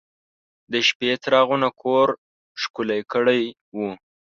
د شپې څراغونو کور ښکلی کړی و.